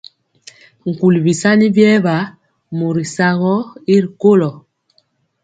Nkuli bisani biɛɛba mori sagɔ y ri kolo.